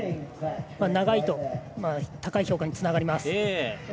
長いと高い評価につながります。